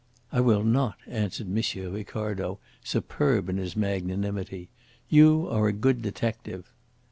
"I will not," answered M. Ricardo, superb in his magnanimity. "You are a good detective."